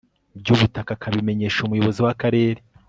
by ubutaka akabimenyesha umuyobozi w akarere